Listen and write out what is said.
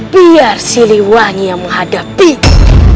biar siliwangi yang menghadapiku